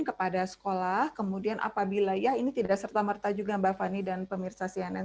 kepada sekolah kemudian apabila ya ini tidak serta merta juga mbak fani dan pemirsa cnn